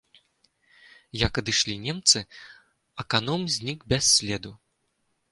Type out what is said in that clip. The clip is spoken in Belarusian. Як адышлі немцы, аканом знік без следу.